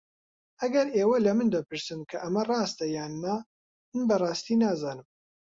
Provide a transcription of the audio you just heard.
ئەگەر ئێوە لە من دەپرسن کە ئەمە ڕاستە یان نا، من بەڕاستی نازانم.